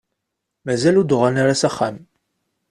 Mazal ur d-uɣalen ara s axxam.